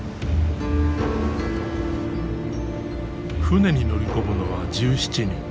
船に乗り込むのは１７人。